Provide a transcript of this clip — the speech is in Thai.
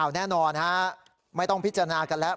แน่นอนไม่ต้องพิจารณากันแล้ว